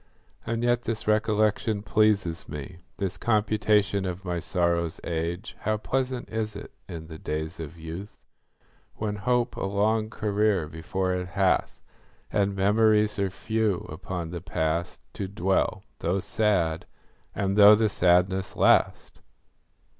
And yet this recollection pleases me, This computation of my sorrow's age. How pleasant is it, in the days of youth, When hope a long career before it hath, And memories are few, upon the past To dwell, though sad, and though the sadness last!